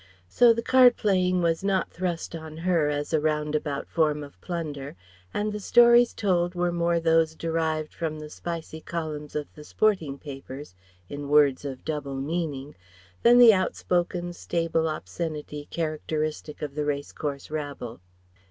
So the card playing was not thrust on her as a round about form of plunder, and the stories told were more those derived from the spicy columns of the sporting papers, in words of double meaning, than the outspoken, stable obscenity characteristic of the race course rabble.